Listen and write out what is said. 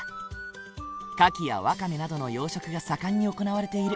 カキやワカメなどの養殖が盛んに行われている。